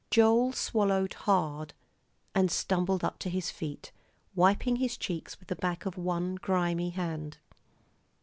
Joel swallowed hard and stumbled up to his feet, wiping his cheeks with the back of one grimy hand.